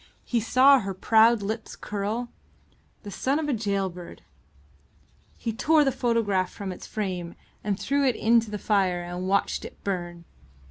He saw her proud lips curl. The son of a gaol bird! He tore the photograph from its frame and threw it into the fire and watched it burn.